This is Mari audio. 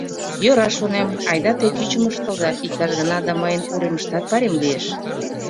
«Йӧра, — шонем, — айда, тек ӱчым ыштылза, иктаж-гана да мыйын уремыштат пайрем лиеш.